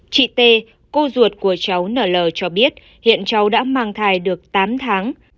chị t cô ruột của cháu nl cho biết hiện cháu đã mang thai được tám tháng